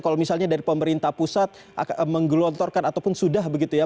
kalau misalnya dari pemerintah pusat menggelontorkan ataupun sudah begitu ya